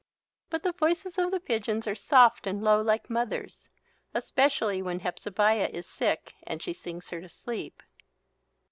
But the voices of the pigeons are soft and low like mother's, especially when Hepzebiah is sick and she sings her to sleep.